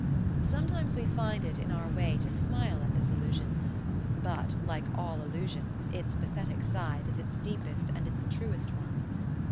Sometimes we find it in our way to smile at this illusion ; but, like all illu sions, its pathetic side is its deepest and its truest one.